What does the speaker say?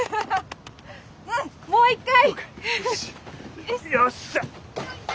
うんもう一回！